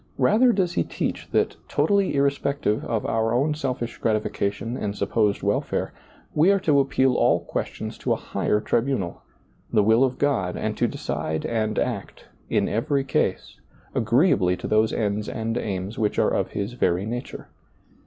Rather does He teach that, totally irrespective of our own selfish gratification and supposed welfare, we are to appeal all questions to a higher tribunal, the will of God, and to decide and act — in every case — agreeably to those ends and aims which are of His very nature.